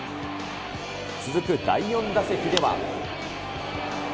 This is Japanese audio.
続く第４打席では。